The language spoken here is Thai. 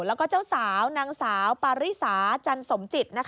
แล้วก็เจ้าสาวนางสาวปาริสาจันสมจิต